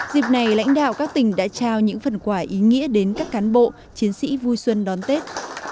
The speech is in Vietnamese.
dịp này lãnh đạo các tỉnh đã trao những phần quả ý nghĩa đến các cán bộ chiến sĩ vui xuân đón tết